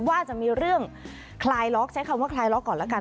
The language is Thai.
ว่าจะมีเรื่องคลายล็อกใช้คำว่าคลายล็อกก่อนแล้วกัน